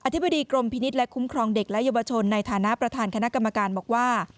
ธิบดีกรมพินิษฐ์และคุ้มครองเด็กและเยาวชนในฐานะประธานคณะกรรมการบอกว่า